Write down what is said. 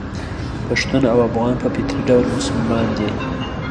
پښتون او افغان په فطري ډول مسلمان دي.